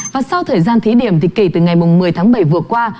và sau thời gian thí điểm thì kể từ ngày một mươi tháng bảy vừa qua